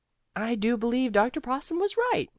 "I do believe Dr. Possum was right!"